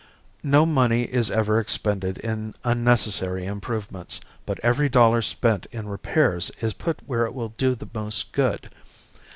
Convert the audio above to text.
No money is ever expended in unnecessary improvements, but every dollar spent in repairs is put where it will do the most good.